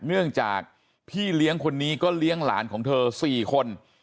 เนื่องจากพี่เลี้ยงคนนี้ก็เลี้ยงหลานของเธอ๔คน